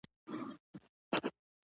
ادارې باید د خدمت ذهنیت ولري